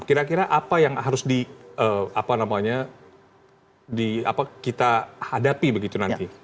kira kira apa yang harus kita hadapi begitu nanti